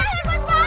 tidak gitu kan